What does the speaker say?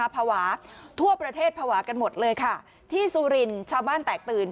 ภาวะทั่วประเทศภาวะกันหมดเลยค่ะที่สุรินทร์ชาวบ้านแตกตื่น